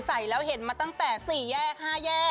ใส่แล้วเห็นมาตั้งแต่๔แยก๕แยก